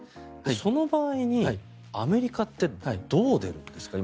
その場合にアメリカってどう出るんですか。